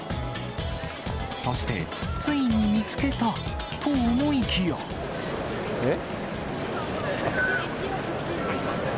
そして、ついに見つけたと思いきえっ？